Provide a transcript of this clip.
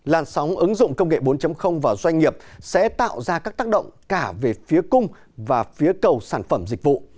làn sóng ứng dụng công nghệ bốn vào doanh nghiệp sẽ tạo ra các tác động cả về phía cung và phía cầu sản phẩm dịch vụ